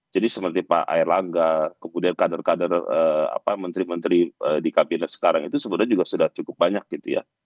jadi seperti pak air langga kemudian kader kader apa menteri menteri di kabinet sekarang itu sebenarnya juga sudah cukup banyak gitu ya